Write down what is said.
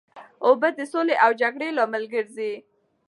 اوبه د سولې او جګړې لامل ګرځي.